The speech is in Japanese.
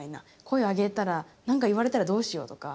声を上げたら何か言われたらどうしようとか。